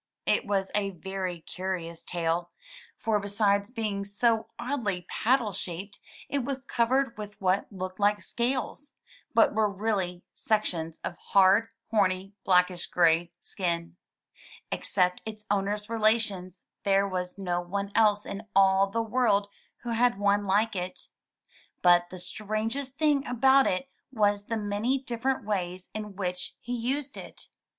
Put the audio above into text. It was a very curious tail, for besides being so oddly paddle shaped, it was covered with what looked like scales, but were really sections of hard, horny, blackish gray skin. Except its owner's relations, there was no one else in all the world who had one like it. But the strangest thing about it was the many different ways in which he used it.